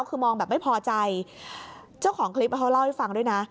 คือมองแบบไม่พอใจเจ้าของคลิปเขาเล่าให้ฟังด้วยนะ